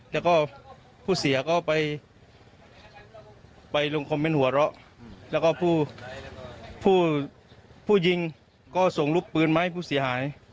แล้วก็ผู้ยิงก็ส่งลูกปืนมาให้ผู้เสียหาย